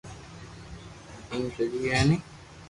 ايم سڄي ھي ني